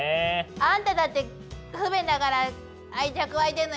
あんただって不便だから愛着湧いてるのよ！